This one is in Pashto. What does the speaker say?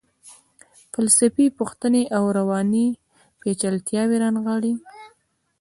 فلسفي پوښتنې او رواني پیچلتیاوې رانغاړي.